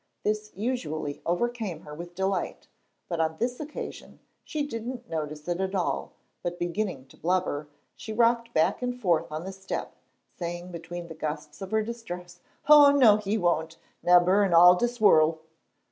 This usually overcame her with delight. But on this occasion she didn't notice it at all, but, beginning to blubber, she rocked back and forth on the step, saying between the gusts of her distress, "Oh, no, he won't, neber in all dis worl'."